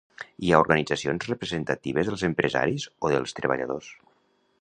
Hi ha organitzacions representatives dels empresaris o dels treballadors.